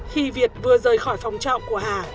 khi việt vừa rời khỏi phòng trọng của hà